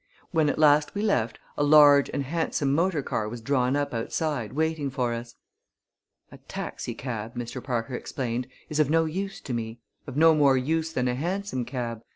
When at last we left a large and handsome motor car was drawn up outside waiting for us. "A taxicab," Mr. Parker explained, "is of no use to me of no more use than a hansom cab.